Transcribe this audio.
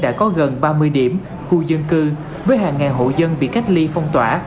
đã có gần ba mươi điểm khu dân cư với hàng ngàn hộ dân bị cách ly phong tỏa